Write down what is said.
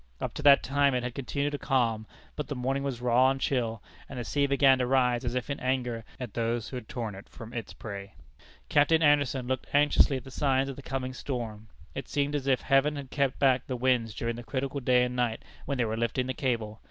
Up to that time it had continued calm, but the morning was raw and chill, and the sea began to rise as if in anger at those who had torn from it its prey. Captain Anderson looked anxiously at the signs of the coming storm. It seemed as if Heaven had kept back the winds during the critical day and night when they were lifting the cable!